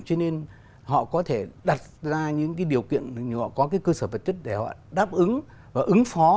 cho nên họ có thể đặt ra những cái điều kiện họ có cái cơ sở vật chất để họ đáp ứng và ứng phó